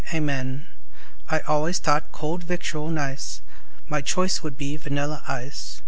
Amen I always thought cold victual nice; My choice would be vanilla ice.